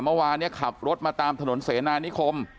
เมื่อวานเนี่ยขับรถมาตามถนนเสนานิคม